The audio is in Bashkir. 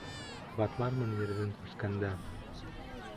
Ҡабатлармын ерҙән күскәндә...